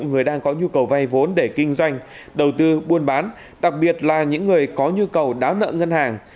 người đang có nhu cầu vay vốn để kinh doanh đầu tư buôn bán đặc biệt là những người có nhu cầu đáo nợ ngân hàng